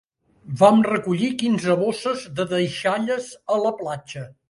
Vam recollir quinze bosses de deixalles a la platja.